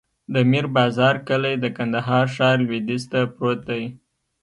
د میر بازار کلی د کندهار ښار لویدیځ ته پروت دی.